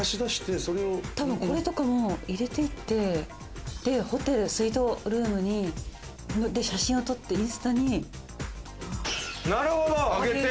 これとかも入れていって、ホテルのスイートルームの写真を撮ってインスタにあげて。